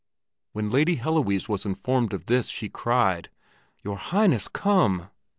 When Lady Heloise was informed of this she cried, "Your Highness, come!"